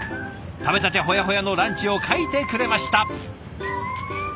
食べたてほやほやのランチを描いてくれました。